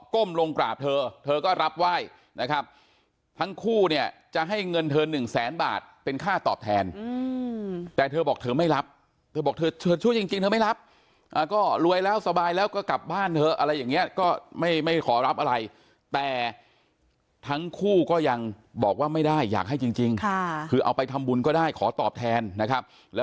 ้มลงกราบเธอเธอก็รับไหว้นะครับทั้งคู่เนี่ยจะให้เงินเธอหนึ่งแสนบาทเป็นค่าตอบแทนแต่เธอบอกเธอไม่รับเธอบอกเธอช่วยจริงเธอไม่รับก็รวยแล้วสบายแล้วก็กลับบ้านเธออะไรอย่างเงี้ยก็ไม่ไม่ขอรับอะไรแต่ทั้งคู่ก็ยังบอกว่าไม่ได้อยากให้จริงค่ะคือเอาไปทำบุญก็ได้ขอตอบแทนนะครับแล้ว